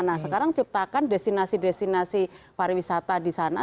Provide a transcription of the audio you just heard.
nah sekarang ciptakan destinasi destinasi pariwisata di sana